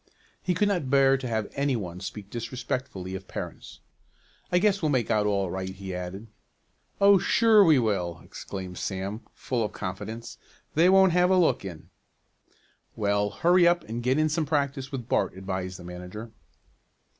He could not bear to have any one speak disrespectfully of parents. "I guess we'll make out all right," he added. "Oh, sure we will!" exclaimed Sam, full of confidence. "They won't have a look in." "Well, hurry up and get in some practice with Bart," advised the manager.